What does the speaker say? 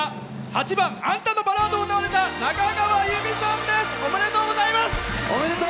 ８番「あんたのバラード」を歌われたなかがわさんです。